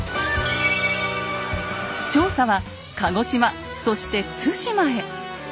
調査は鹿児島そして対馬へ。